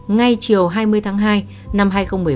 ngay chiều hai mươi tháng hai năm hai nghìn một mươi ba